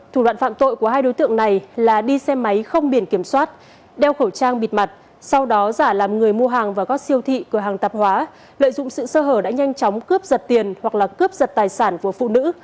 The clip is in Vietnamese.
thủ đoạn phạm tội của hai đối tượng này là đi xe máy không biển kiểm soát đeo khẩu trang bịt mặt sau đó giả làm người mua hàng vào các siêu thị cửa hàng tạp hóa lợi dụng sự sơ hở đã nhanh chóng cướp giật tiền hoặc là cướp giật tài sản của phụ nữ